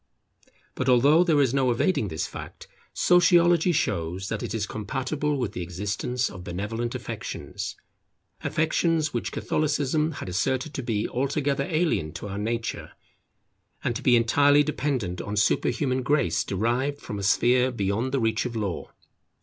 But although there is no evading this fact, Sociology shows that it is compatible with the existence of benevolent affections, affections which Catholicism had asserted to be altogether alien to our nature, and to be entirely dependent on superhuman Grace derived from a sphere beyond the reach of Law.